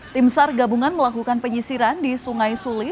tim sar gabungan melakukan penyisiran di sungai suli